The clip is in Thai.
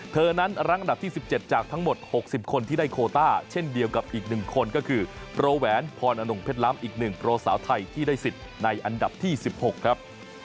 เธอนั้นรั้งอันดับที่๑๗จากทั้งหมด๖๐คนที่ได้โคต้าเช่นเดียวกับอีก๑คนก็คือโปรแหวนพรอนงเพชรล้ำอีก๑โปรสาวไทยที่ได้สิทธิ์ในอันดับที่๑๖ครับ